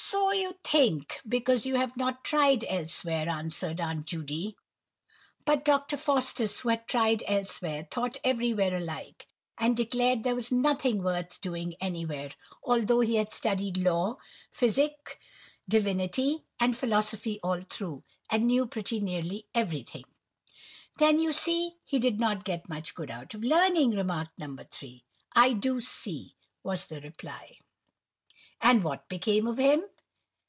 "So you think, because you have not tried else where," answered Aunt Judy. "But Dr. Faustus, who had tried elsewhere, thought everywhere alike, and declared there was nothing worth doing anywhere, although he had studied law, physic, divinity, and philosophy all through, and knew pretty nearly everything." "Then you see he did not get much good out of learning," remarked No. 3. "I do see," was the reply. "And what became of him?"